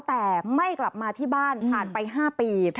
แต่ไม่กลับมาที่บ้านผ่านไป๕ปี